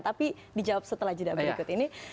tapi dijawab setelah jeda berikut ini